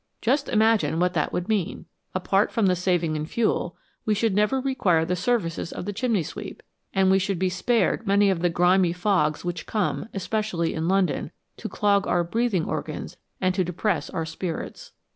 Just imagine what that would mean ! Apart from the saving in fuel, we should never require the services of the chimney sweep, and we should be spared many of the grimy fogs which come, especially in London, to clog our breathing organs and to depress our spirits.